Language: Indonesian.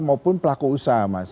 maupun pelaku usaha mas